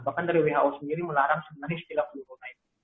bahkan dari who sendiri melarang sebenarnya istilah penurunan itu